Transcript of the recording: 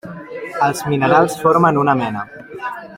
Els minerals formen una mena.